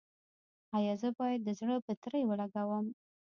ایا زه باید د زړه بطرۍ ولګوم؟